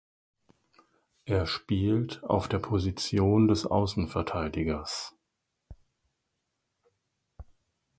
Er spielt auf der Position des Außenverteidigers.